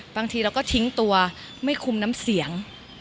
บางทีเราก็ทิ้งตัวไม่คุมน้ำเสียง